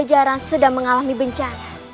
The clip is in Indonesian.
pajejaran sedang mengalami bencana